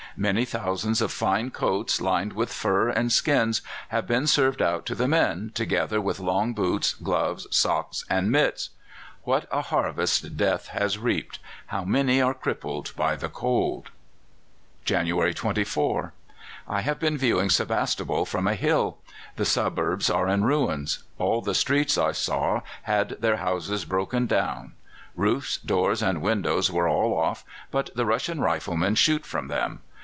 Many thousands of fine coats, lined with fur and skins, have been served out to the men, together with long boots, gloves, socks, and mits. "What a harvest Death has reaped! How many are crippled by the cold! "January 24. I have been viewing Sebastopol from a hill. The suburbs are in ruins. All the streets I saw had their houses broken down. Roofs, doors, and windows were all off, but the Russian riflemen shoot from them.